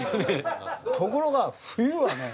ところが冬はね